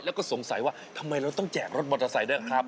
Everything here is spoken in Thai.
แล้วก็สงสัยว่าทำไมเราต้องแจกรถมอเตอร์ไซค์ด้วยครับ